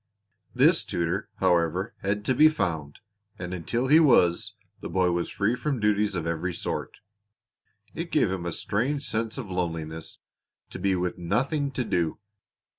This tutor, however, had to be found, and until he was the boy was free from duties of every sort. It gave him a strange sense of loneliness to be with nothing to do.